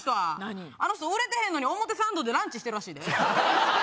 あの人売れてへんのに表参道でランチしてるらしいで。